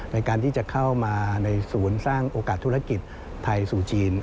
ในการที่จะเข้ามาในศูนย์สร้างโอกาสธุรกิจไทยสู่จีน